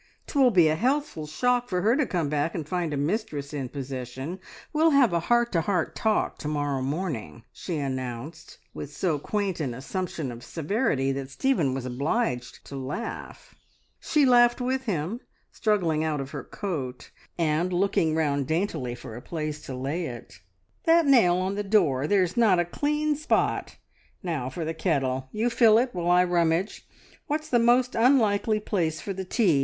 "'Twill be a healthful shock for her to come back and find a mistress in possession. We'll have a heart to heart talk to morrow morning," she announced, with so quaint an assumption of severity that Stephen was obliged to laugh. She laughed with him, struggling out of her coat, and looking round daintily for a place to lay it. "That nail on the door! There's not a clean spot. Now for the kettle! You fill it, while I rummage. What's the most unlikely place for the tea?